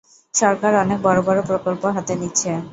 সরকার অনেক বড় বড় প্রকল্প হাতে নিচ্ছে।